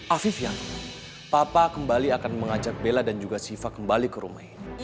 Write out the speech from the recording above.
afifya papa kembali akan mengajak bella dan juga siva kembali ke rumah ini